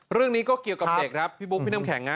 เรื่องนี้ก็เกี่ยวกับเด็กครับพี่บุ๊คพี่น้ำแข็ง